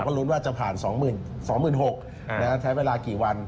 เราก็รู้ว่าจะผ่าน๒๖๐๐และทั้งเวลากี่วัน